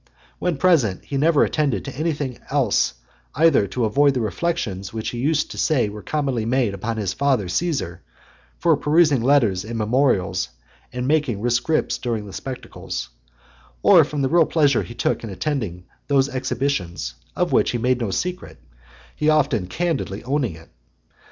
When present, he never attended to anything else either to avoid the reflections which he used to say were commonly made upon his father, Caesar, for perusing letters and memorials, and making rescripts during the spectacles; or from the real pleasure he took in attending those exhibitions; of which he made no secret, he often candidly owning it.